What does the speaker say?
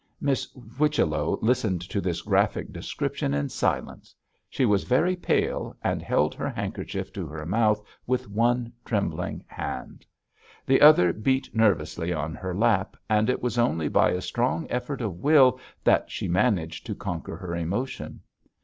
Miss Whichello listened to this graphic description in silence. She was very pale, and held her handkerchief to her mouth with one trembling hand; the other beat nervously on her lap, and it was only by a strong effort of will that she managed to conquer her emotion.